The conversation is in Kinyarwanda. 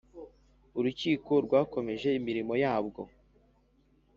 urukiko rwakomeje imirimo yabwo